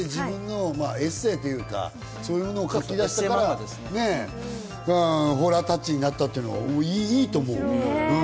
自分のエッセイというか、そういうものを書きだしてからホラータッチになったというの、いいと思う。